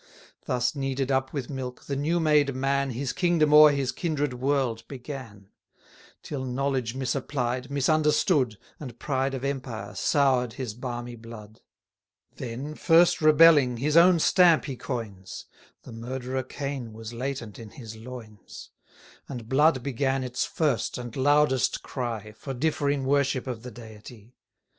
Thus kneaded up with milk, the new made man His kingdom o'er his kindred world began: Till knowledge misapplied, misunderstood, And pride of empire, sour'd his balmy blood. Then, first rebelling, his own stamp he coins; The murderer Cain was latent in his loins: And blood began its first and loudest cry, 280 For differing worship of the Deity.